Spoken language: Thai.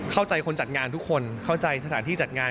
เข้าใจคนจัดงานทุกคนเข้าใจสถานที่จัดงาน